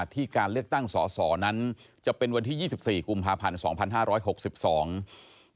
ที่การเลือกตั้งสอสอนั้นจะเป็นวันที่๒๔กุมภาพันธ์๒๕๖๒